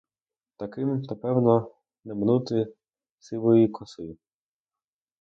Таким, то певно не минути сивої коси.